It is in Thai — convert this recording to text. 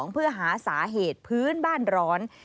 เพื่อหาสาเหตุพื้นบ้านร้อน